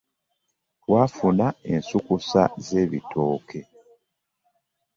Twafuna ensukusa zebitooke.